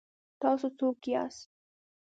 تاسو څوک یاست؟